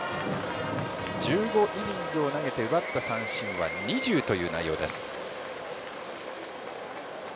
１５イニングを投げて奪った三振は２０という内容です。